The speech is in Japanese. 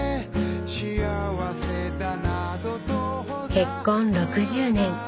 結婚６０年。